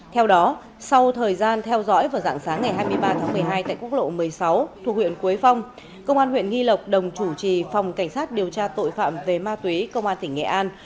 theo đó sau thời gian theo dõi vào dạng sáng ngày hai mươi ba tháng một mươi hai tại quốc lộ một mươi sáu thuộc huyện quế phong công an huyện nghi lộc đồng chủ trì phòng cảnh sát điều tra tội phạm về ma túy công an tỉnh nghệ an